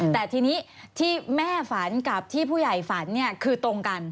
แต่ทีนี้ที่แม่ฝันกับที่ผู้ใหญ่ฝันคือตรงกัน